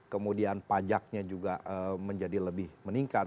kemudian pajaknya juga menjadi lebih meningkat